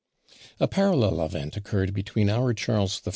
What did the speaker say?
A parallel event occurred between our Charles I.